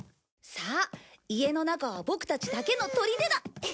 さあ家の中はボクたちだけのとりでだ。